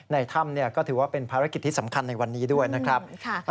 ในถ้ำก็ถือว่าเป็นภารกิจที่สำคัญในวันนี้ด้วยนะครับ